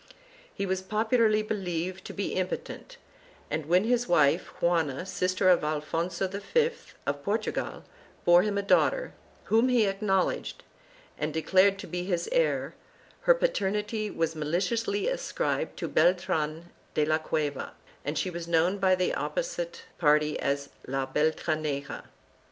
He was popularly believed to be impotent, and when his wife Juana, sister of Affonso V of Por tugal, bore him a daughter, whom he acknowledged and de clared to be his heir, her paternity was maliciously ascribed to Beltran de la Cueva, and she was known by the opposite party as La Beltraneja.